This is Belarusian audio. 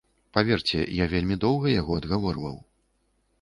Паверце, я вельмі доўга яго адгаворваў.